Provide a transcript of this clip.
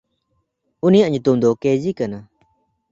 ᱩᱱᱤᱭᱟᱜ ᱧᱩᱛᱩᱢ ᱫᱚ ᱠᱮᱭᱡᱤ ᱠᱟᱱᱟ᱾